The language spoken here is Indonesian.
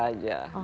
oke luar biasa